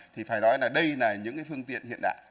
thì phải nói là đây là những phương tiện hiện đại